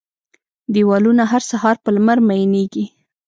دیوالونه، هر سهار په لمر میینیږې